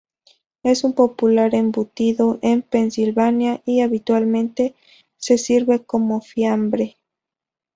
Es un popular embutido en Pensilvania y habitualmente se sirve como fiambre.